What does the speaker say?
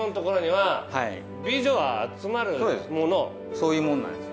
そういうもんなんです。